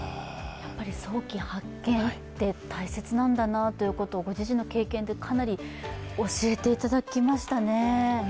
早期発見って大切なんだということをご自身の経験でかなり教えていただきましたね。